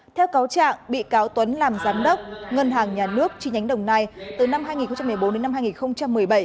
theo cáo trạng bị cáo tuấn làm giám đốc ngân hàng nhà nước chi nhánh đồng nai từ năm hai nghìn một mươi bốn đến năm hai nghìn một mươi bảy